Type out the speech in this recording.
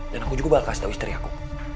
dan aku juga bakal kasih tau istri aku